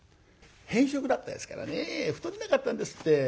偏食だったですからね太れなかったんですって。